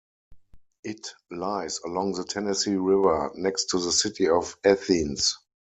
It lies along the Tennessee River, next to the city of Athens.